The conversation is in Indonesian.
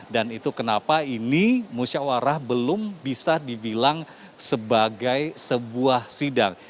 dan itu kenapa ini musyawarah belum bisa dibilang sebagai sebuah sidang